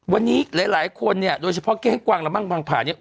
วันนี้หลายคนเนี่ยโดยเฉพาะเก้งกวางละมั่งบางผ่าเนี่ย